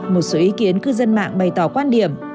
một số ý kiến cư dân mạng bày tỏ quan điểm